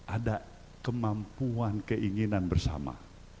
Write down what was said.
ada kemampuan keinginan bersama